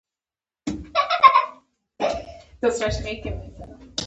آیا ټول ملي سرود ته درناوی کوي؟